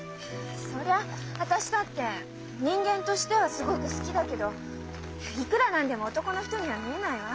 そりゃ私だって人間としてはすごく好きだけどいくら何でも男の人には見えないわ。